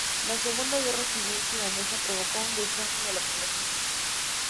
La Segunda Guerra Civil Sudanesa provocó un descenso de la población.